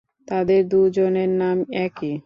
তাদের দু'জনের নাম একই।